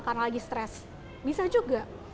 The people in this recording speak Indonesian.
karena lagi stress bisa juga